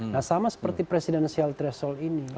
nah sama seperti presidensial threshold ini